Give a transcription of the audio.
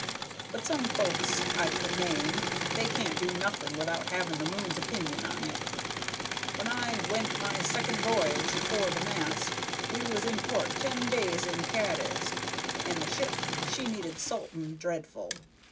But some folks I could name, they can't do nothing without having the moon's opinion on it. When I went my second voyage afore the mast we was in port ten days at Cadiz, and the ship she needed salting dreadful.